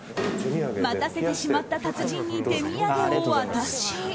待たせてしまった達人に手土産を渡し。